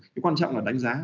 cái quan trọng là đánh giá